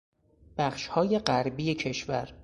بخشهای غربی کشور